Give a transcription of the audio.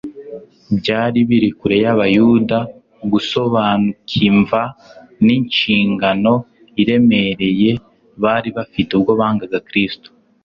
Byari biri kure y'Abayuda gusobanukimva n'inshingano iremereye bari bafite ubwo bangaga Kristo.